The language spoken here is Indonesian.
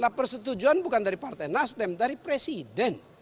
nah persetujuan bukan dari partai nasdem dari presiden